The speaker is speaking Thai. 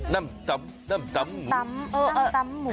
น้ำต้มหมู